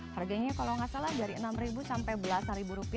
harganya kalau enggak salah dari rp enam sampai rp sebelas